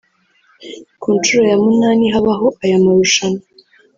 Ku nshuro ya munani habaho aya marushanwa